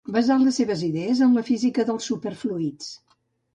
Basà les seves idees en la física de superfluids.